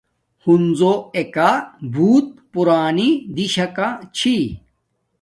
ہنزو ایکا بوت پُرانی دیشاکا چھی